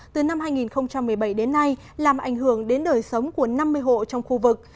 từ năm hai nghìn một mươi bảy đến nay làm ảnh hưởng đến đời sống của năm mươi hộ trong khu vực